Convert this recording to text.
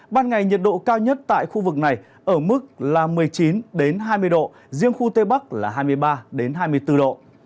ban ngày nhiệt độ cao nhất tại khu vực này ở mức một mươi chín hai mươi độ riêng khu tây bắc là hai mươi ba hai mươi bốn độ